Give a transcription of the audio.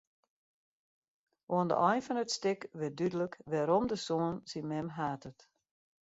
Oan de ein fan it stik wurdt dúdlik wêrom de soan syn mem hatet.